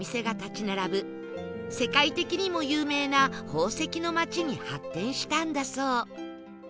世界的にも有名な宝石の町に発展したんだそう